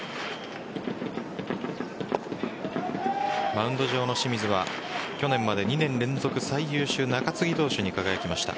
マウンド上の清水は去年まで２年連続最優秀中継ぎ投手に輝きました。